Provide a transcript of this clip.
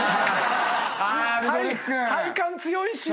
体幹強いし。